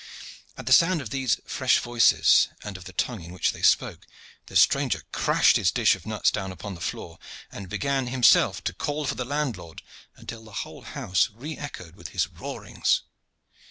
At the sound of these fresh voices, and of the tongue in which they spoke, the stranger crashed his dish of nuts down upon the floor, and began himself to call for the landlord until the whole house re echoed with his roarings.